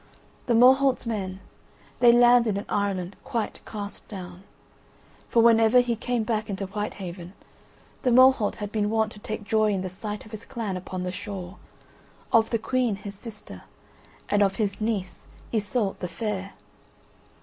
The Morholt's men, they landed in Ireland quite cast down. For when ever he came back into Whitehaven the Morholt had been wont to take joy in the sight of his clan upon the shore, of the Queen his sister, and of his niece Iseult the Fair.